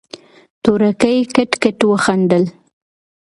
تورکي کټ کټ وخندل.